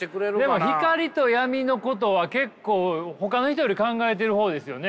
でも光と闇のことは結構ほかの人より考えてる方ですよね。